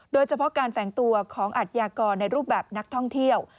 โดยเฉพาะการแฝงตัวของอัธยากรในรูปแบบนักท่องเที่ยว